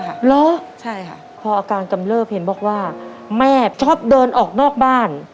เหรอใช่ค่ะพออาการกำเริบเห็นบอกว่าแม่ชอบเดินออกนอกบ้าน